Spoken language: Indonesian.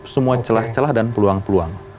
semua celah celah dan peluang peluang